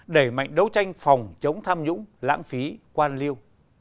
đẩy mạnh đấu tranh phòng chống tham nhũng lãng phí quan liêu